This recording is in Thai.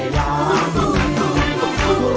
เพลงที่๔มูลค่า๖๐๐๐๐บาท